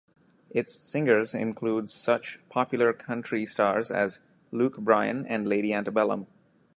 Its singers include such popular country stars as Luke Bryan and Lady Antebellum.